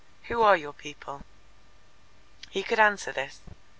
"Who are your people?" He could answer this.